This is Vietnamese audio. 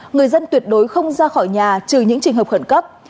người dân tuyệt đối không ra khỏi nhà trừ những trường hợp khẩn cấp